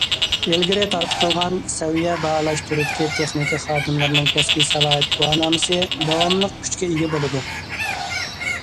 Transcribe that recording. ئىلگىرى تارقىتىلغان سەۋىيە باھالاش تۈرىدىكى تېخنىكا خادىملىرىنىڭ كەسپىي سالاھىيەت گۇۋاھنامىسى داۋاملىق كۈچكە ئىگە بولىدۇ.